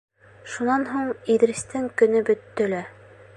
Шунан һуң Иҙристең көнө бөттө лә.